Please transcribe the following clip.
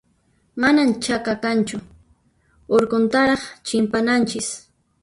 Manan chaka kanchu, urquntaraq chimpananchis.